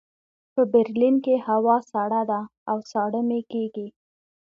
په برلین کې هوا سړه ده او ساړه مې کېږي